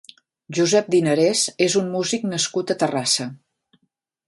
Josep Dinarés és un músic nascut a Terrassa.